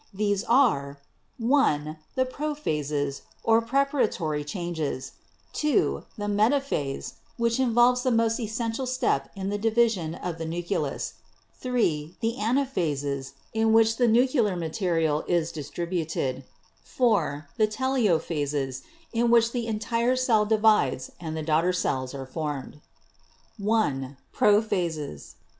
These are: (i) The 'Prophases,' or preparatory changes; (2) the 'Metaphase,' which involves the most es sential step in the division of the nucleus; (3) the 'Ana phases,' in which the nuclear material is distributed; (4) the 'Telophases,' in which the entire cell divides and the daughter cells are formed. "1. Prophases.